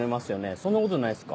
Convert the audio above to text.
そんなことないっすか？